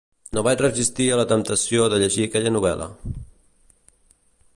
No vaig resistir a la temptació de llegir aquella novel·la.